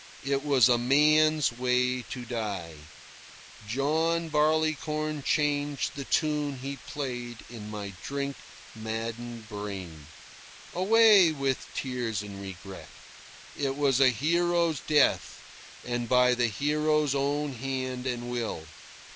It was a man's way to die. John Barleycorn changed the tune he played in my drink maddened brain. Away with tears and regret. It was a hero's death, and by the hero's own hand and will.